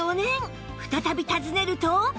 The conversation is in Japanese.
再び訪ねると